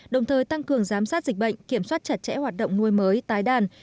đồng thời tăng cường giám sát dịch bệnh kiểm soát chặt chẽ hoạt động nuôi mới tái đàn